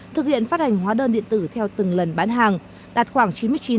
thực hiện phát hành hóa đơn điện tử theo từng lần bán hàng đạt khoảng chín mươi chín chín mươi bốn